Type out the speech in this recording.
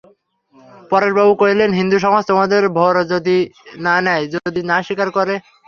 পরেশবাবু কহিলেন, হিন্দুসমাজ তোমাদের ভার যদি না নেয়, যদি না স্বীকার করে?